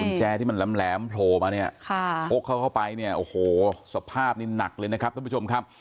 แจที่มันแหลมโผล่มาเนี่ยค่ะพกเขาเข้าไปเนี่ยโอ้โหสภาพนี่หนักเลยนะครับท่านผู้ชมครับ